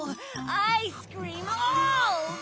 アイスクリーム三昧よ。